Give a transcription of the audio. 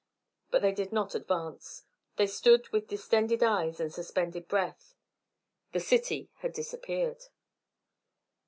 But they did not advance. They stood with distended eyes and suspended breath. The city had disappeared.